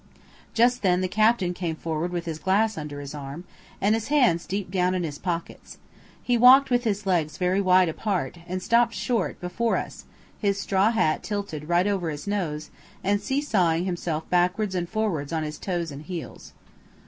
Just then the captain came forward with his glass under his arm, and his hands deep down in his pockets. He walked with his legs very wide apart, and stopped short before us, his straw hat tilted right over his nose, and see sawing himself backwards and forwards on his toes and heels.